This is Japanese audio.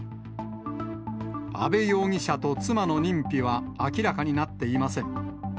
阿部容疑者と妻の認否は明らかになっていません。